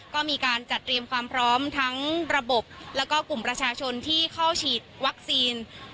ก็มีการจัดเตรียมความพร้อมทั้งระบบแล้วก็กลุ่มประชาชนที่เข้าฉีดวัคซีน